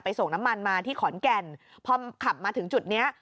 ส่งน้ำมันมาที่ขอนแก่นพอขับมาถึงจุดเนี้ย